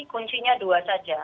kuncinya dua saja